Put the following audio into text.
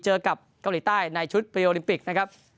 เจอกับเกาหลีใต้ในชุดปริโอลิมปิกนะครับ